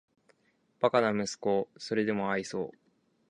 バカな息子をーーーーそれでも愛そう・・・